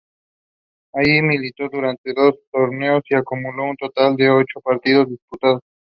Yet her real name was never given in newspaper clippings of her appearances.